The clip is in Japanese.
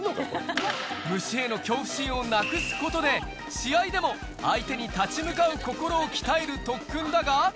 虫への恐怖心をなくすことで、試合でも相手に立ち向かう心を鍛える特訓だが。